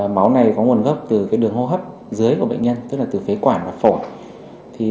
máu này có nguồn gốc từ đường hô hấp dưới của bệnh nhân tức là từ phế quản và phổi